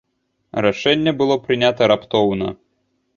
Рашэнне было прынята раптоўна.